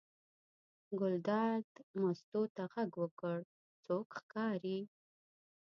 ګلداد مستو ته غږ وکړ: څوک ښکاري.